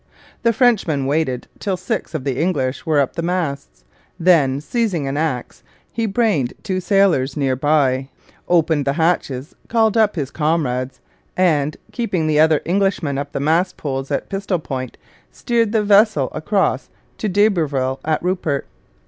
The Frenchman waited till six of the English were up the masts. Then, seizing an ax, he brained two sailors near by, opened the hatches, called up his comrades, and, keeping the other Englishmen up the mast poles at pistol point, steered the vessel across to d'Iberville at Rupert.